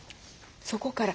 そこから。